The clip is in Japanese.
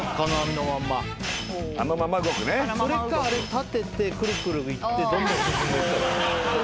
それかあれ立ててくるくるいってどんどん進んでいっちゃう。